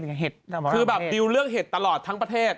คือแบบดิวเรื่องเห็ดตลอดทั้งประเทศ